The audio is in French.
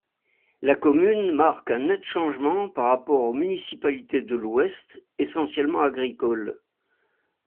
La commune marque un net changement par rapport aux municipalités de l'ouest essentiellement agricoles.